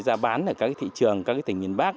ra bán ở các thị trường các tỉnh miền bắc